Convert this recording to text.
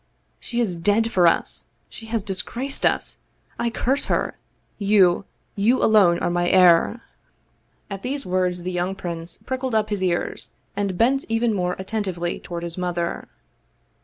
"She is dead for us! She has disgraced us! I curse her! You, you alone are my heir !" At these words the young prince pricked up his ears and bent even more attentively toward his mother.